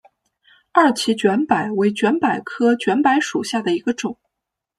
二歧卷柏为卷柏科卷柏属下的一个种。